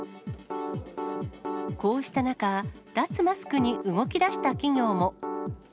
こうした中、脱マスクに動きだした企業も。